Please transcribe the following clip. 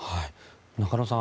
中野さん